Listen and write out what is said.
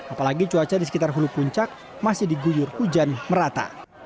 apalagi cuaca di sekitar hulu puncak masih diguyur hujan merata